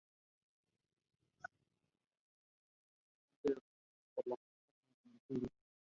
Salomon Pico is said to have vowed revenge.